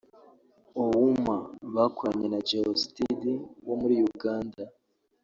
’Owooma’ bakoranye na Geosteady wo muri Uganda